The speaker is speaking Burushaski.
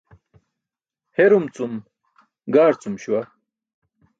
Herum cum gaarcum śuwa.